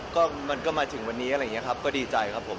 ก็มันก็มาถึงวันนี้อะไรอย่างนี้ครับก็ดีใจครับผม